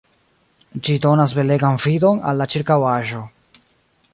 Ĝi donas belegan vidon al la ĉirkaŭaĵo.